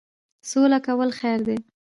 سوله کول خیر دی